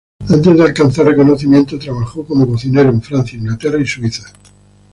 Antes de alcanzar reconocimiento, trabajó como cocinero en Francia, Inglaterra y Suiza.